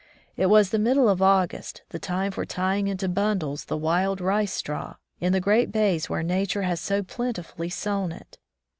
It was the middle of August, the time for tying into bundles the wild rice straw, in the great bays where nature has so plentifully sown it.